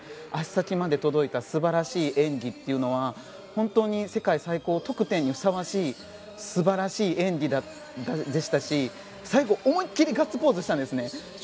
足先まで届いた素晴らしい演技というのは本当に世界最高得点にふさわしい素晴らしい演技でしたし最後、思いっ切りガッツポーズしたんですね。